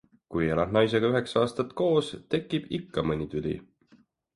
Kui elad naisega üheksa aastat koos, tekib ikka mõni tüli.